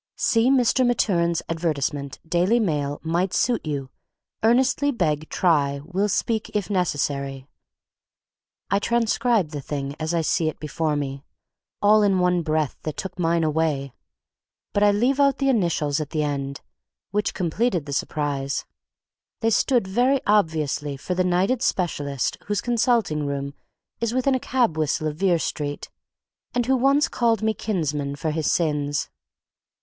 "See Mr. Maturin's advertisement Daily Mail might suit you earnestly beg try will speak if necessary ————" I transcribe the thing as I see it before me, all in one breath that took away mine; but I leave out the initials at the end, which completed the surprise. They stood very obviously for the knighted specialist whose consulting room is within a cab whistle of Vere Street, and who once called me kinsman for his sins.